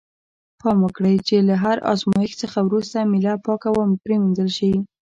پام وکړئ چې له هر آزمایښت څخه وروسته میله پاکه پرېمینځل شي.